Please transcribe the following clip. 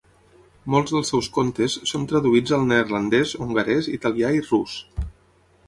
Molts dels seus contes són traduïts al neerlandès, hongarès, italià i rus.